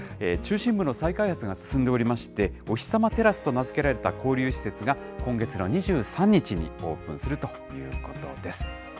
中心部の再開発が進んでおりまして、おひさまテラスと名付けられた交流施設が、今月の２３日にオープンするということです。